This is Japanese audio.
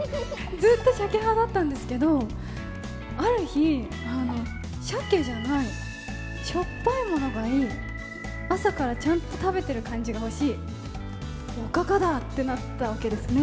ずっとシャケ派だったんですけど、ある日、シャケじゃないしょっぱいものがいい、朝からちゃんと食べてる感じが欲しい、おかかだ！ってなったわけですね。